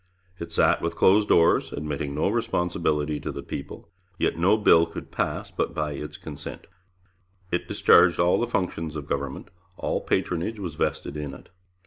It sat with closed doors, admitting no responsibility to the people. Yet no bill could pass but by its consent. It discharged all the functions of government; all patronage was vested in it.